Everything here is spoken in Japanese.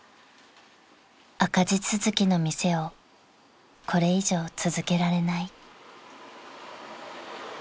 ［赤字続きの店をこれ以上続けられない］